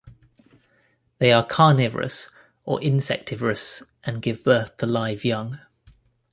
They are carnivorous or insectivorous, and give birth to live young.